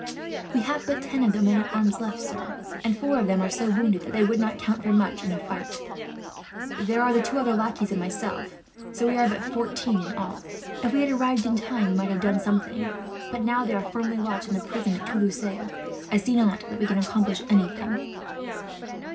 "We have but ten of the men at arms left, sir; and four of them are so wounded that they would not count for much, in a fight. There are the two other lackeys and myself, so we are but fourteen, in all. If we had arrived in time we might have done something but, now they are firmly lodged in the prison at Toulouse, I see not that we can accomplish anything."